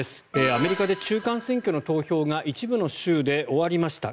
アメリカで中間選挙の投票が一部の州で終わりました。